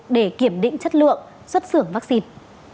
để kiểm định chất lượng xuất xưởng vaccine